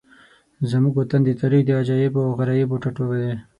زموږ وطن د تاریخ د عجایبو او غرایبو ټاټوبی دی.